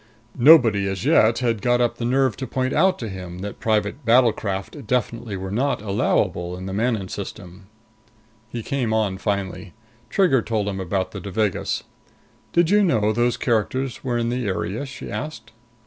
Nobody as yet had got up the nerve to point out to him that private battlecraft definitely were not allowable in the Manon System. He came on finally. Trigger told him about the Devagas. "Did you know those characters were in the area?" she asked.